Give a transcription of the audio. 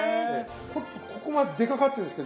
ここまで出かかってるんですけど